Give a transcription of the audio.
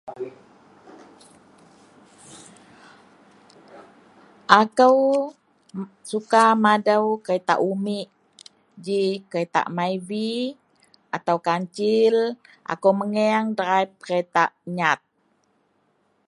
Akou suka madou keretak umik ji keretak MYVI atau KANCIL akou mengeang drive keretak nyat